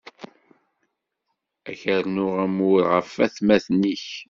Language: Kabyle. Ad k-rnuɣ amur ɣef watmaten-ik.